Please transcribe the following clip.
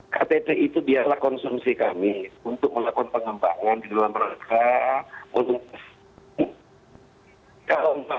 ktp itu biarlah konsumsi kami untuk melakukan pengembangan di dalam mereka